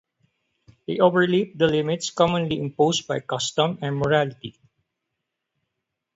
They overleap the limits commonly imposed by custom and morality.